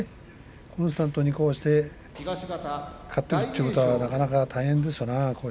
コンスタントにこうやって勝っていくということはなかなか大変ですからね